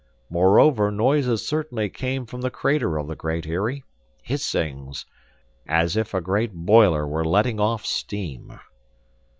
Moreover noises certainly came from the crater of the Great Eyrie, hissings, as if a great boiler were letting off steam."